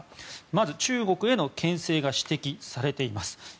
まず中国への牽制が指摘されています。